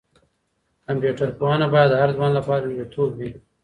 کمپيوټر پوهنه باید د هر ځوان لپاره لومړیتوب وي.